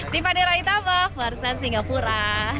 di pandera hitam bersan singapura